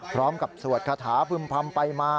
พร้อมกับสวดคาถาพึ่มพรรมไปมา